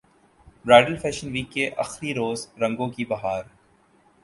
bridal fashion week کے اخری روز رنگوں کی بہار